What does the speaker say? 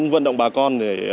vận động bà con